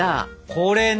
これね。